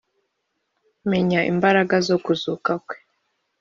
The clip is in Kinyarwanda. menye imbaraga zo kuzuka kwe